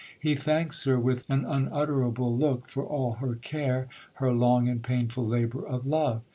He thanks her with an unutterable look for all her care, her long and painful labour of love!